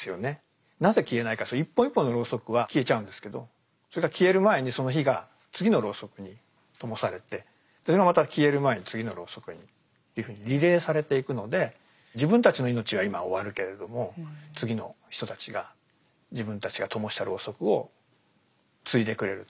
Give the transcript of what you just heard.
なぜ消えないかというと一本一本のロウソクは消えちゃうんですけどそれが消える前にその火が次のロウソクに灯されてそれがまた消える前に次のロウソクにというふうにリレーされていくので自分たちの命は今終わるけれども次の人たちが自分たちが灯したロウソクを継いでくれる。